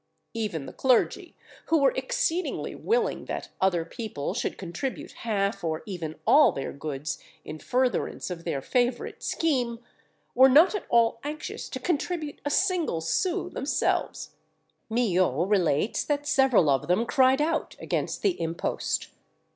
Even the clergy, who were exceedingly willing that other people should contribute half, or even all their goods in furtherance of their favourite scheme, were not at all anxious to contribute a single sous themselves. Millot relates that several of them cried out against the impost.